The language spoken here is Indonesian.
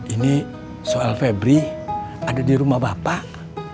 ini soal febri ada di rumah bapak